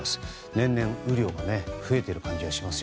年々、雨量が増えている感じがします。